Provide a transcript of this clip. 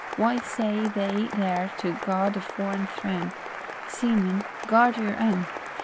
Why stay they there to guard a foreign throne? Seamen, guard your own.